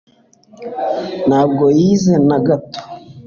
ntabwo yize na gato